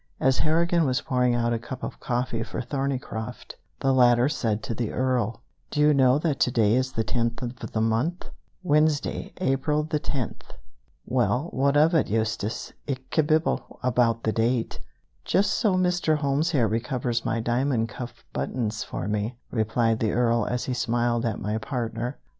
As Harrigan was pouring out a cup of coffee for Thorneycroft, the latter said to the Earl: "Do you know that to day is the tenth of the month, Wednesday, April the tenth?" "Well, what of it, Eustace? Ich kebibble about the date, just so Mr. Holmes here recovers my diamond cuff buttons for me," replied the Earl, as he smiled at my partner.